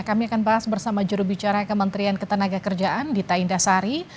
kami akan bahas bersama jurubicara kementerian ketenagakerjaan dita indasari